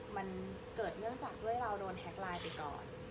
มันเกิดเนื่องจากด้วยเราโดนแฮ็กไลน์ไปก่อน